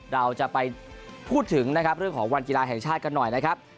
เราจะไปพูดถึงนะครับเรื่องของวันกีฬาแห่งชาติกันหน่อยนะครับ